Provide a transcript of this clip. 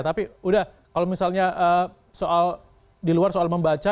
tapi udah kalau misalnya soal di luar soal membaca